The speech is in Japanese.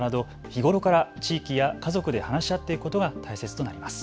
日頃から地域や家族で話し合っていくことが大切となります。